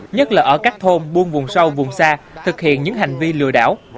nhất là ở các thôn buôn vùng sâu vùng xa thực hiện những hành vi lừa đảo